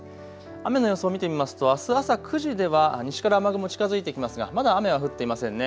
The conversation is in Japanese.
雨の予想を見てみますとあす朝９時では西から雨雲近づいてきますがまだ雨は降っていませんね。